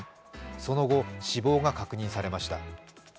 その後死亡が確認されました。